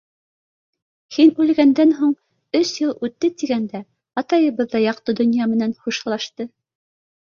Һин үлгәндән һуң өс йыл үтте тигәндә атайыбыҙ ҙа яҡты донъя менән хушлашты.